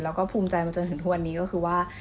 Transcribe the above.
แล้วก็ภูมิใจมาจนถึงทุกวันนี้ก็คือว่า